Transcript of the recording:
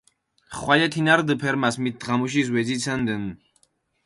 ხვალე თინა რდჷ ფერმას, მით დღამუშის ვეძიცანდუნ.